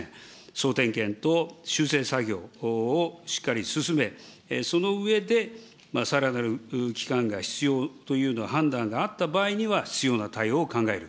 総点検と修正作業をしっかり進め、その上で、さらなる期間が必要というのの判断があった場合には、必要な対応を考える。